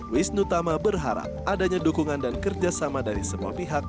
wisnu tama berharap adanya dukungan dan kerjasama dari semua pihak